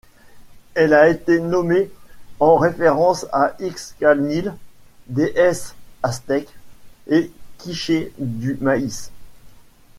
Elle a été nommée en référence à Xcanil, déesse aztèque et quiché du maïs.